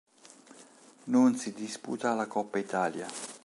Non si disputa la Coppa Italia.